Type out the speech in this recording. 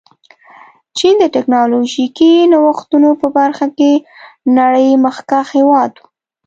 چین د ټکنالوژيکي نوښتونو په برخه کې نړۍ مخکښ هېواد و.